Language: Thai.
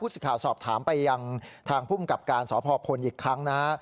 ผู้สิทธิ์ข่าวสอบถามไปยังทางผู้มกับการสพอีกครั้งนะครับ